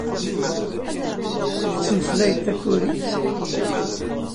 Tettmeslayeḍ takurit?